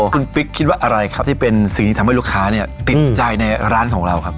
คุณปิ๊กคิดว่าอะไรครับที่เป็นสิ่งที่ทำให้ลูกค้าเนี่ยติดใจในร้านของเราครับ